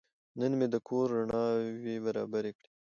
نن مې د کور رڼاوې برابرې کړې.